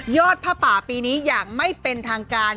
ผ้าป่าปีนี้อย่างไม่เป็นทางการ